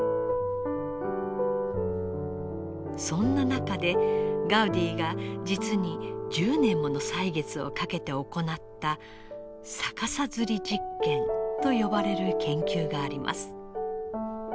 そんな中でガウディが実に１０年もの歳月をかけて行った逆さづり実験と呼ばれる研究があります。